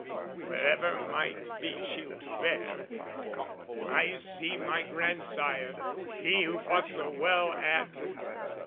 wherever might be shield to bear; "I see my grandsire, he who fought so well "At"...